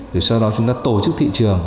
rồi sau đó chúng ta tổ chức thị trường